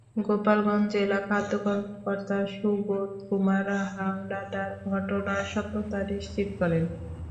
গোপালগঞ্জ জেলা খাদ্য কর্মকর্তা সুবোধ কুমার হাওলাদার ঘটনার সত্যতা নিশ্চিত করেন।